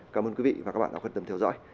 cảm ơn quý vị và các bạn đã quan tâm theo dõi